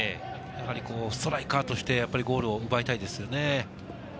ストライカーとしてゴールを奪いたいですよね。